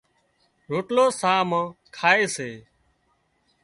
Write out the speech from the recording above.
روٽلو ساهَه مان کائي سي